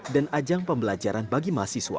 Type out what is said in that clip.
dan ajang pembelajaran bagi mahasiswa